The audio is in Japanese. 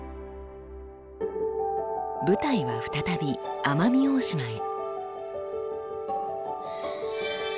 舞台は再び奄美大島へ。